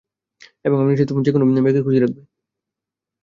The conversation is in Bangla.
এবং আমি নিশ্চিত, তুমি যে কোনো মেয়েকে খুশি রাখবে।